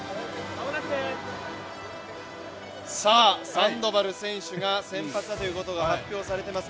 サンドバル選手が先発だということが発表されています。